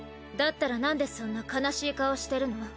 だったらなんでそんな悲しい顔してるの？